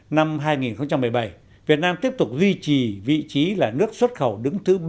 năm hai nghìn một mươi bảy việt nam tiếp tục duy trì vị trí là nước xuất khẩu đứng thứ ba